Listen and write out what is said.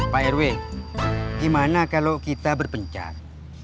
pak rw gimana kalo kita berpencat